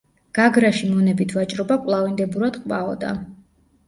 გაგრაში მონებით ვაჭრობა კვლავინდებურად ყვაოდა.